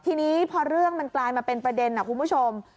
ทีนี้พอเรื่องมันกลายมาเป็นประเด็นนะคุณผู้ชม